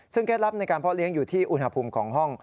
ซึ่งเคล็ดลับในการพ่อเลี้ยงอยู่ที่อุณหภูมิของห้อง